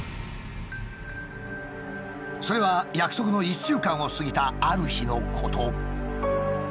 それは約束の１週間を過ぎたある日のこと。